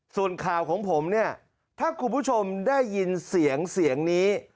ส่วนข่าวของผมเนี่ยถ้าคุณผู้ชมได้ยินเสียงเสียงนี้